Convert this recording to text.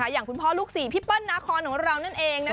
อย่างคุณพ่อลูก๔พี่เปิ้ลนาคอนของเรานั่นเอง